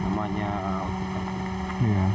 namanya ototan itu